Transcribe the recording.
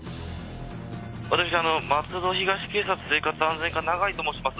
私、松戸東警察生活安全課、ナガイと申します。